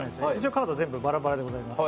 カード全部バラバラでございます。